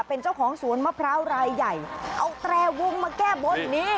เป็นเจ้าของสวนมะพร้าวรายใหญ่เอาแตรวงมาแก้บนนี่